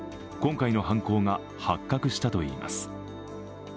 今回の犯行が発覚したといいます。